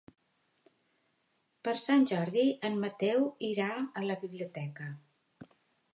Per Sant Jordi en Mateu irà a la biblioteca.